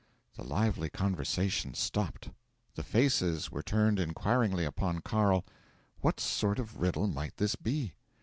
'The lively conversation stopped. The faces were turned inquiringly upon Carl. What sort of riddle might this be?